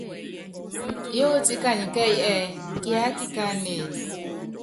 Yóótíe kani kɛ́ɛ́yí ɛ́ɛ́: Kiáká kikáánéé?